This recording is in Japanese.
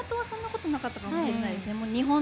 そんなことなかったかもしれないです。